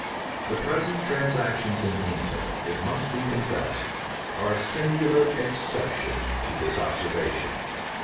The present transactions in England, it must be confessed, are a singular exception to this observation.